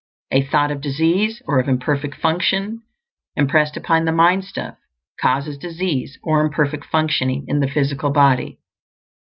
A thought of disease or of imperfect function, impressed upon the mind stuff, causes disease or imperfect functioning in the physical body.